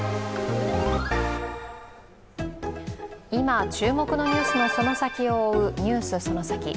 今、注目のニュースのその先を追う、「ＮＥＷＳそのサキ！」